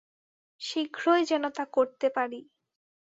শীঘ্রই যেন তা করতে পারি।